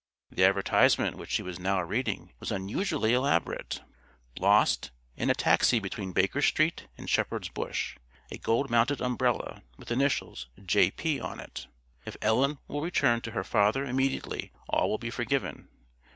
The advertisement which he was now reading was unusually elaborate: "Lost, in a taxi between Baker Street and Shepherd's Bush, a gold mounted umbrella with initials 'J. P.' on it. If Ellen will return to her father immediately all will be forgiven.